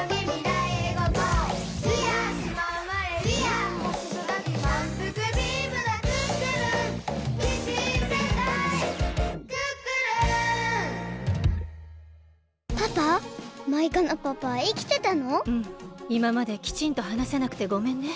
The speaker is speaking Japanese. いままできちんとはなせなくてごめんね。